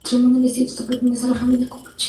El instituto pertenece a la Familia capuchina.